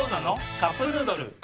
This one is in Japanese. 「カップヌードル」